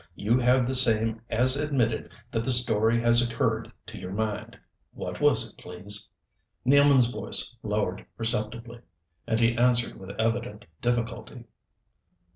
You have the same as admitted that the story has occurred to your mind. What was it, please?" Nealman's voice lowered perceptibly, and he answered with evident difficulty.